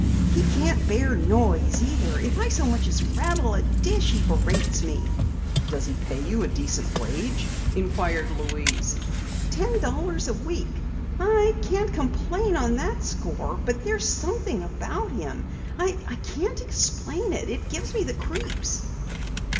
He can't bear noise either. If I as much as rattle a dish he berates me." "Does he pay you a decent wage?" inquired Louise. "Ten dollars a week. I can't complain on that score. But there's something about him I can't explain it gives me the creeps."